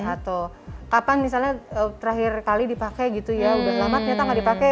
atau kapan misalnya terakhir kali dipakai gitu ya udah lama ternyata nggak dipakai